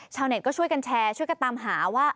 ชาวเน็ตก็ช่วยกันแชร์ช่วยกันตามหาว่า